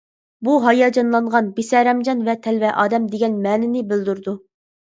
بۇ «ھاياجانلانغان، بىسەرەمجان ۋە تەلۋە ئادەم» دېگەن مەنىنى بىلدۈرىدۇ.